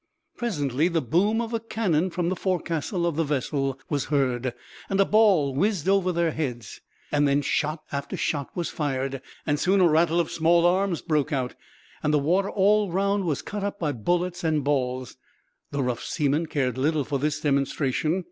Presently the boom of a cannon from the forecastle of the vessel was heard, and a ball whizzed over their heads; then shot after shot was fired, and soon a rattle of small arms broke out, and the water all round was cut up by bullets and balls. The rough seamen cared little for this demonstration.